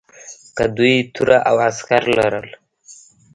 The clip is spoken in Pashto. که دوی توره او عسکر لرل.